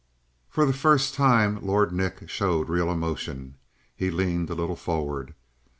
For the first time Lord Nick showed real emotion; he leaned a little forward.